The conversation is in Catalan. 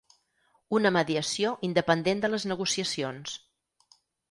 Una mediació independent de les negociacions.